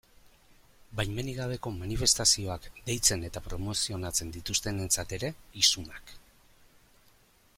Baimenik gabeko manifestazioak deitzen eta promozionatzen dituztenentzat ere, isunak.